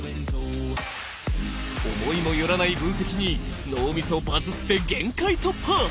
思いも寄らない分析に脳みそバズって限界突破！